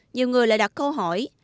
nhiều người lại đặt câu hỏi